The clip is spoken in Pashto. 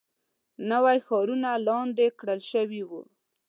لوی ښارونه لاندې کړل شوي وو.